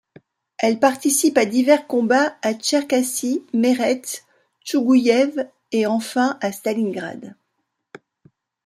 Elle participe à divers combats à Tcherkassy, Meretz, Tchougouïev et enfin à Stalingrad.